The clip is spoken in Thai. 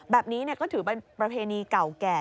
แบบนี้ก็ถือเป็นประเพณีเก่าแก่